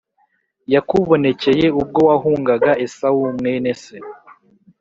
yakubonekeye ubwo wahungaga Esawu mwene se